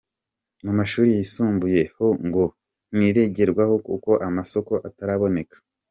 Mu mashuri yisumbuye ho ngo ntirigerwaho kuko amasoko ataraboneka.